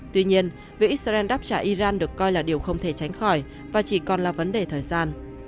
tuy nhiên việc israel đáp trả iran được coi là điều không thể tránh khỏi và chỉ còn là vấn đề thời gian